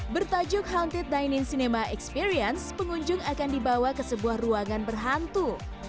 bertajuk hunted dining cinema experience pengunjung akan dibawa ke sebuah ruangan berhantu